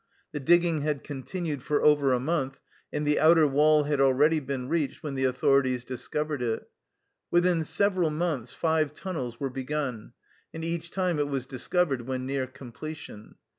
The digging had con tinued for over a month and the outer wall had already been reached when the authorities dis covered it. Within several months five tunnels were begun, and each time it was discovered when near completion.